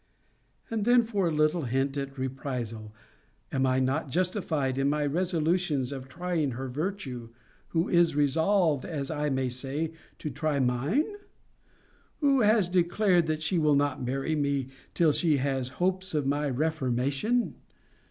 And then for a little hint at reprisal am I not justified in my resolutions of trying her virtue, who is resolved, as I may say, to try mine? Who has declared that she will not marry me, till she has hopes of my reformation?